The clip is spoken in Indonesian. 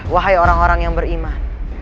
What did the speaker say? wahai orang orang yang beriman